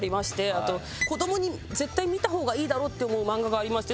あと子どもに絶対見た方がいいだろって思う漫画がありまして